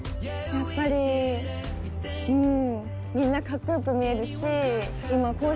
やっぱりうん。